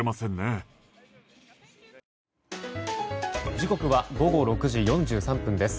時刻は午後６時４３分です。